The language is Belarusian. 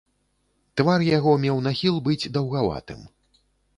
Твар яго меў нахіл быць даўгаватым.